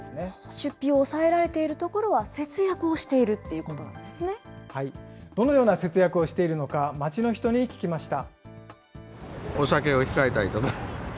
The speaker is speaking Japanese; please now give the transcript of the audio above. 出費を抑えられているところは、節約をしているということなどのような節約をしているのか、街の人に聞きました。